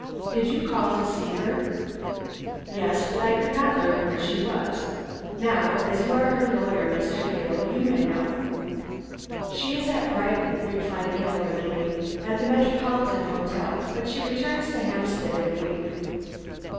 Did you call to see her?" "Yes, but I could not learn where she was. Now, as you are her lawyer, Mr. Hale, you may know." "She is at Brighton," replied Hale readily, "at the Metropolitan Hotel, but she returns to Hampstead in a week."